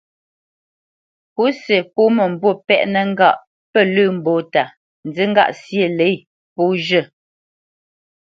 Pǔsi pô mə̂mbû pɛ́ʼnə ŋgâʼ pə lə̂ mbóta, nzí ŋgâʼ syê lě pó zhə́.